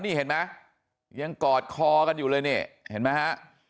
นี่เห็นไหมยังกอดคอกันอยู่เลยนี่เห็นไหมฮะ